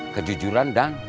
kejujuran dan kebenaran